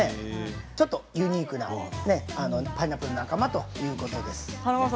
ちょっとユニークなパイナップルの仲間ということです。